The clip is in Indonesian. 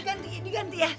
diganti diganti ya